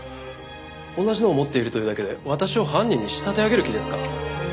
同じのを持っているというだけで私を犯人に仕立て上げる気ですか？